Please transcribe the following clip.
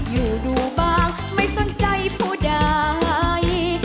อยู่ดูบ้างไม่สนใจผู้ใด